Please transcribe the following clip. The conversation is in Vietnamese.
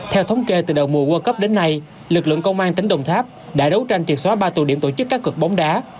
theo thống kê từ đầu mùa world cup đến nay lực lượng công an tỉnh đồng tháp đã đấu tranh triệt xóa ba tù điểm tổ chức cá cực bóng đá